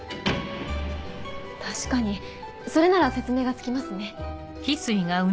確かにそれなら説明がつきますね。